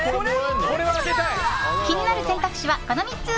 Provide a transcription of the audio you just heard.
気になる選択肢は、この３つ。